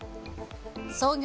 創業